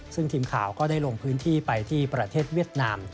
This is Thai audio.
ซึ่งทีมข่าวก็ได้ลงพื้นที่ไปที่ประเทศเวียดนาม